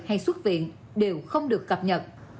hay xuất viện đều không được cập nhật